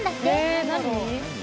え何？